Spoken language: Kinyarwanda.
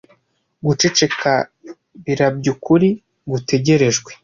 guceceka birabya ukuri gutegerejwe